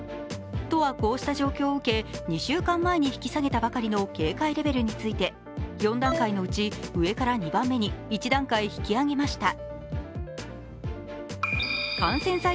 都は、こうした状況を受け２週間前に引き下げたばかりの警戒レベルについて、４段階のうち上から２番目に１段階引き上げました。